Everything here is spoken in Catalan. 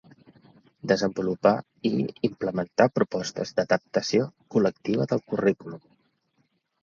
Desenvolupar i implementar propostes d'adaptació col·lectiva del currículum.